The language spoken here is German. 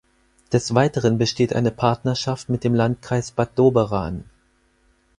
Des Weiteren besteht eine Partnerschaft mit dem Landkreis Bad Doberan.